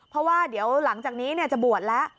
เพราะว่าเดี๋ยวหลังจากนี้จะบวชแล้ว